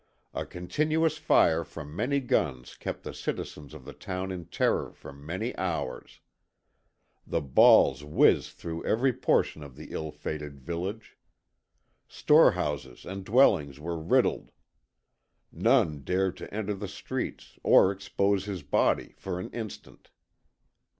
A continuous fire from many guns kept the citizens of the town in terror for many hours. The balls whizzed through every portion of the ill fated village. Storehouses and dwellings were riddled. None dared to enter the streets, or expose his body for an instant.